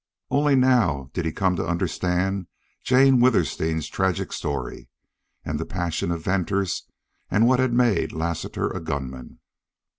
Only now did he come to understand Jane Withersteen's tragic story and the passion of Venters and what had made Lassiter a gun man.